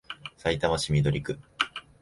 さいたま市緑区